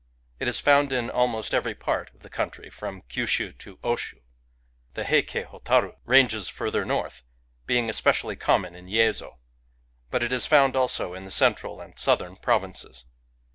It is found in almost every part of the country from Kyushu to Oshu. The Heiki botaru ranges further north, being especially common in Yezo ; but it is found also in the central and southern provinces.